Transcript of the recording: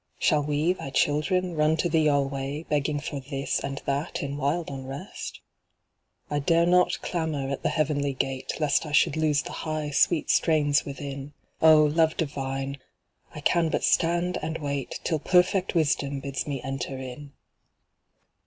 Shall we, Thy children, run to Thee alvvay. Begging for this and that in wild unrest ? I dare not clamor at the heavenly gate, Lest I should lose the high, sweet strains within ; O, Love Divine ! I can but stand and wait Till Perfect Wisdom bids me enter in